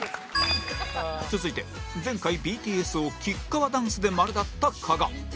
続いて前回 ＢＴＳ を吉川ダンスで○だった加賀